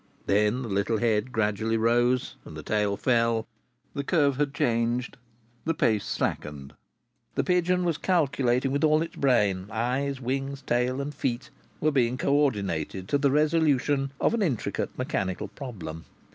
Then the little head gradually rose and the tail fell; the curve had changed, the pace slackened; the pigeon was calculating with all its brain; eyes, wings, tail and feet were being co ordinated to the resolution of an intricate mechanical problem.